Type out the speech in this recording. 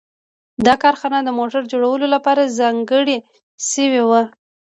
دا کارخانه د موټر جوړولو لپاره ځانګړې شوې وه